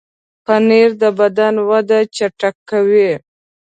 پنېر د بدن وده چټکوي.